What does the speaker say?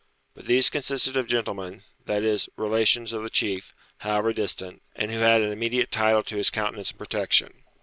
But these consisted of gentlemen, that is, relations of the chief, however distant, and who had an immediate title to his countenance and protection.